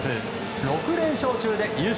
６連勝中で優勝